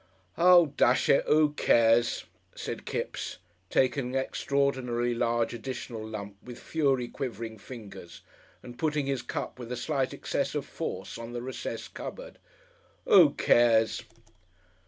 "Oo, dash it! Oo cares?" said Kipps, taking an extraordinarily large additional lump with fury quivering fingers, and putting his cup with a slight excess of force on the recess cupboard. "Oo cares?